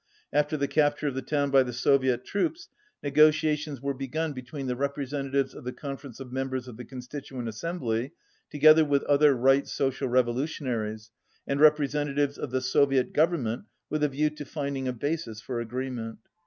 After the cap ture of the town by the Soviet troops, negotiations were begun between the representatives of the Conference of Members of the Constituent Assem bly, together with other Right Social Revolution aries, and representatives of the Soviet Govern ment, with a view to finding a basis for agreement.